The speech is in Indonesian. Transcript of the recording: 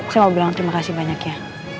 saya mau bilang terima kasih banyak ya